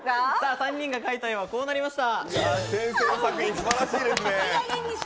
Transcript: ３人が描いた絵は、こうなりました。